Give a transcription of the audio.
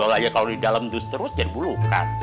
kayak artis nanti kayak tonem bulan